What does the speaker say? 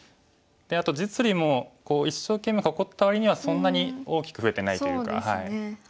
あと実利もこう一生懸命囲った割にはそんなに大きく増えてないというか。